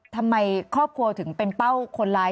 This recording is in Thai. ทำไมครอบครัวถึงเป็นเป้าคนร้าย